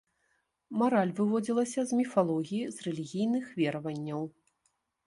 Мараль выводзілася з міфалогіі, з рэлігійных вераванняў.